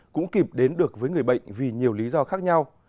cũng kịp đến được với người bệnh vì nhiều lý do khác nhau